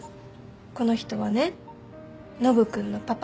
この人はねノブ君のパパ。